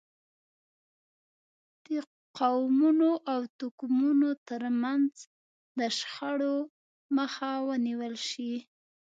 د قومونو او توکمونو ترمنځ د شخړو مخه ونیول شي.